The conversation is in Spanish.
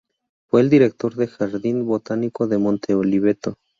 Fue el director del Jardín Botánico de Monte Oliveto.